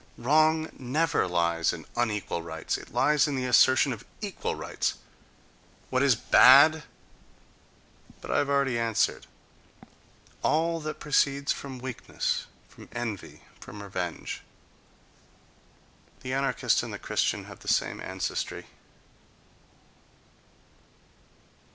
Wrong never lies in unequal rights; it lies in the assertion of "equal" rights.... What is bad? But I have already answered: all that proceeds from weakness, from envy, from revenge.—The anarchist and the Christian have the same ancestry....